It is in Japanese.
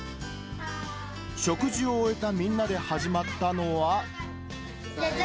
食事を終えたみんなで始まったのは。